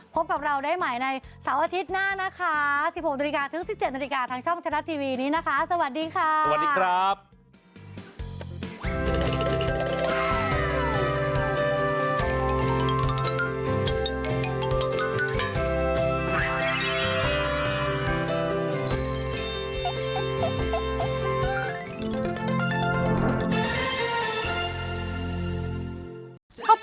พบกับเราได้ใหม่ในเสาร์อาทิตย์หน้า